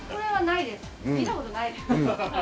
見た事ないです。